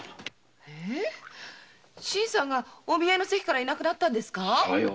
新さんがお見合いの席からいなくなった？